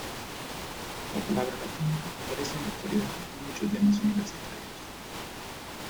La palabra latina aparece en la actualidad en muchos lemas universitarios.